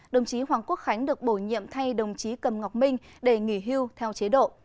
đồng chí hoàng quốc khánh được bổ nhiệm thay đồng chí cầm ngọc minh để nghỉ hưu theo chế độ